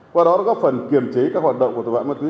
qua đó góp phần kiểm chế các hoạt động của tội phạm ma túy